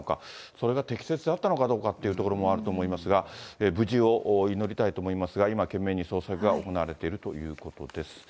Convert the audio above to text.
それが適切であったのかどうかというところもあると思いますが、無事を祈りたいと思いますが、今、懸命に捜索が行われているということです。